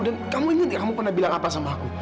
dan kamu ingat kamu pernah bilang apa sama aku